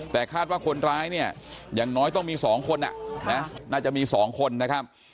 แต่คาดว่าคนร้ายเนี่ยอย่างน้อยต้องมี๒คนน่าจะมี๒คนนะครับ